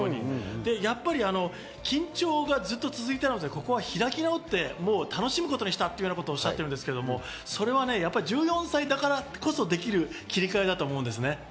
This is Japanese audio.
やっぱり緊張がずっと続いたので、ここは開き直って、楽しむことにしたということをおっしゃっているんですけど、それは１４歳だからこそできる切り替えだと思うんです。